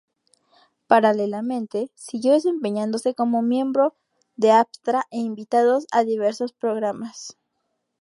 Paralelamente siguió desempeñándose como miembro de Aptra e invitada a diversos programas.